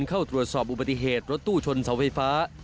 เข้าตรวจสอบอุบัติเหตุรถตู้ชนเสาไฟฟ้า